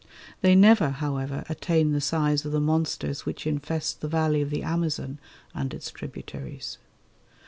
They never, however, attain the size of the monsters which infest the valley of the Amazon and its tributaries.